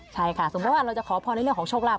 ใช่ค่ะสมมุติว่าเราจะขอพรในเรื่องของโชคลาภ